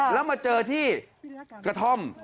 แล้วมาเจอที่กระท่อม